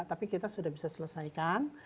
empat dua tapi kita sudah bisa selesaikan